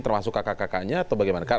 termasuk kakak kakaknya atau bagaimana